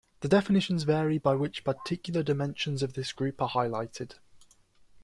The definitions vary by which particular dimensions of this group are highlighted.